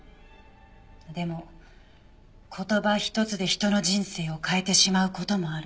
でも言葉ひとつで人の人生を変えてしまう事もある。